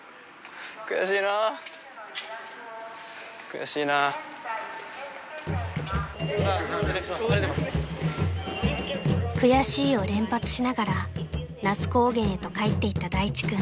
［悔しいを連発しながら那須高原へと帰っていった大地君］